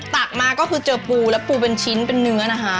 ตักมาก็คือเจอปูแล้วปูเป็นชิ้นเป็นเนื้อนะคะ